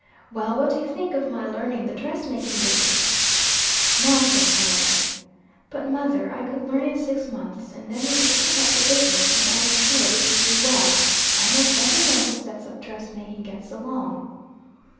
"Well, what do you think of my learning the dress making business?" "Nonsense, Mary!" "But, mother, I could learn in six months, and then we could set up the business, and I am sure we could do well. Almost every one who sets up dress making, gets along."